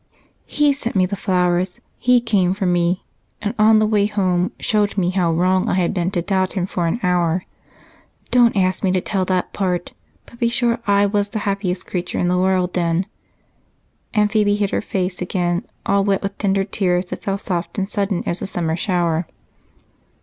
"He sent the flowers, he came for me, and, on the way home, showed me how wrong I had been to doubt him for an hour. Don't ask me to tell that part, but be sure I was the happiest creature in the world then." And Phebe hid her face again, all wet with tender tears that fell soft and sudden as a summer shower.